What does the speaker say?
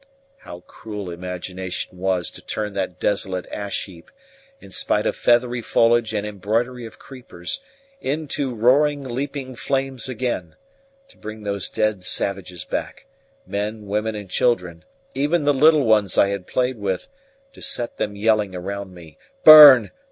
How cruel imagination was to turn that desolate ash heap, in spite of feathery foliage and embroidery of creepers, into roaring leaping flames again to bring those dead savages back, men, women, and children even the little ones I had played with to set them yelling around me: "Burn!